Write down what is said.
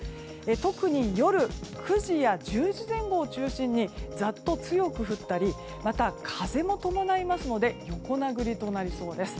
特に夜９時や１０時前後を中心にざっと強く降ったりまた、風も伴いますので横殴りとなりそうです。